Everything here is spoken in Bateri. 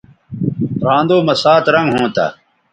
رھاندو مہ سات رنگ ھونتہ